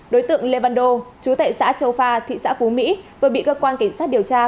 đối tượng lê văn đô chú tệ xã châu pha thị xã phú mỹ vừa bị cơ quan cảnh sát điều tra